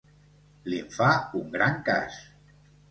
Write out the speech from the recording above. Li'n fa un gran cas.